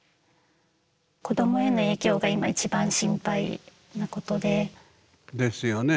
子どもへの影響が今一番心配なことで。ですよね。